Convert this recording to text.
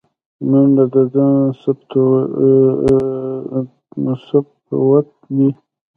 منډه د ځان ثبوت دی